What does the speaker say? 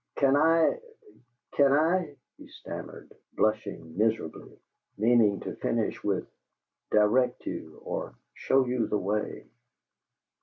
"Can I can I " he stammered, blushing miserably, meaning to finish with "direct you," or "show you the way."